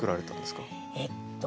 えっと